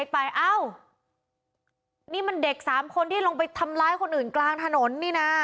เอ้านี่มันเด็ก๓คนที่ลงไปทำร้ายคนอื่นกลางถนนนี่นะ